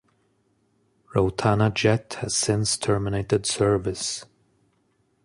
Rotana Jet has since Terminated service.